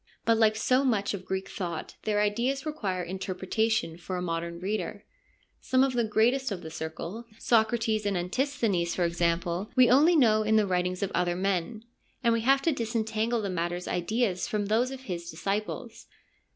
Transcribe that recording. But, like so much of Greek thought, their ideas require interpretation for a modern reader. Some of the greatest of the Circle, Socrates and Antisthenes, for example, we only know in the writings of other men, and we have to disentangle the master's ideas from those of his disciples.